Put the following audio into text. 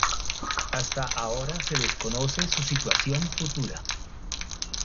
Hasta ahora se desconoce su situación futura.